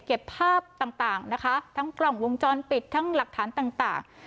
เก็บภาพต่างนะคะทั้งกล้องวงจรปิดทั้งหลักฐานต่าง